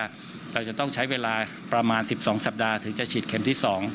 เราจะต้องใช้เวลาประมาณ๑๒สัปดาห์ถึงจะฉีดเข็มที่๒